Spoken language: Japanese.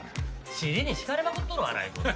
尻に敷かれまくっとるわな郁夫さん。